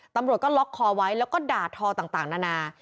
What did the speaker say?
ตำรวจก็ล็อกคอไว้แล้วก็ด่าทอต่างนานา